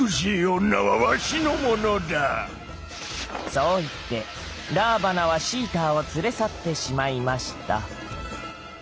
そう言ってラーバナはシーターを連れ去ってしまいました。